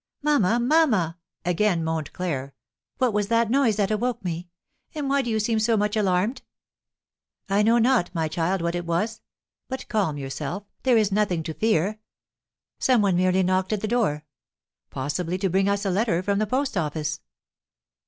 "Mamma, mamma," again moaned Claire, "what was that noise that awoke me? And why do you seem so much alarmed?" "I know not, my child, what it was. But calm yourself, there is nothing to fear; some one merely knocked at the door, possibly to bring us a letter from the post office."